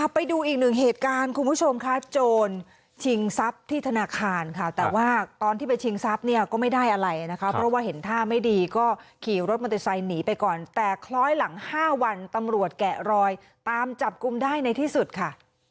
ไปดูอีกหนึ่งเหตุการณ์คุณผู้ชมค่ะโจรชิงทรัพย์ที่ธนาคารค่ะแต่ว่าตอนที่ไปชิงทรัพย์เนี่ยก็ไม่ได้อะไรนะคะเพราะว่าเห็นท่าไม่ดีก็ขี่รถมอเตอร์ไซค์หนีไปก่อนแต่คล้อยหลัง๕วันตำรวจแกะรอยตามจับกลุ่มได้ในที่สุดค่ะ